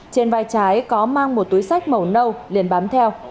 trên vai trái có mang một túi sách màu nâu liền bám theo